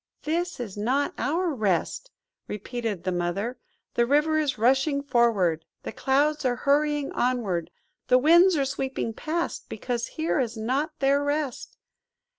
"This is not our Rest!" repeated the Mother. "The river is rushing forward; the clouds are hurrying onward; the winds are sweeping past, because here is not their Rest.